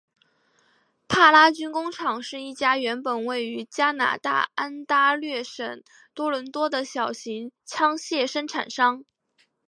帕拉军工厂是一家原本位于加拿大安大略省多伦多的小型枪械生产商。